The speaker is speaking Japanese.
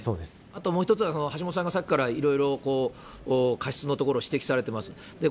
あともう一つは、橋下さんがさっきからいろいろ過失のところ、指摘されてます。